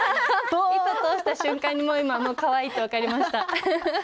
糸通した瞬間にもう今かわいいって分かりました。